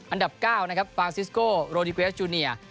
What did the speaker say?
อันดับ๙นะครับฟางซิสโกโรดิเกวสจูเนีย